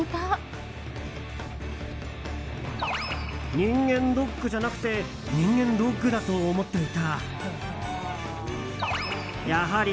人間ドックじゃなくて人間ＤＯＧだと思っていた。